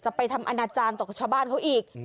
ไปทำอนาจารย์ต่อชาวบ้านเขาอีก